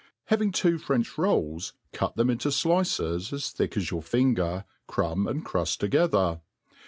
. HAVING two French rolls, cut them into flkes as thick as your finger, crumb and cruft together.